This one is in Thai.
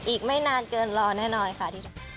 อีกไม่นานเกินรอแน่นอนค่ะ